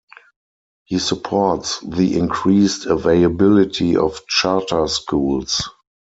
He supports the increased availability of charter schools.